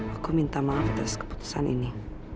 aku minta maaf atas keputusan ini